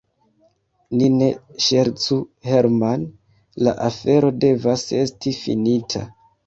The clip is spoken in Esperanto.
Ni ne ŝercu, Herman, la afero devas esti finita.